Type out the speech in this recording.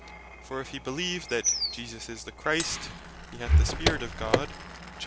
For if he beleeve that "Jesus is the Christ, he hath the Spirit of God" (1 Joh.